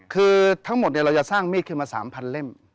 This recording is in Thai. คือทั้งหมดเราจะสร้างมีดขึ้นมา๓๐๐เล่ม